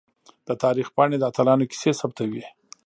د تاریخ پاڼې د اتلانو کیسې ثبتوي.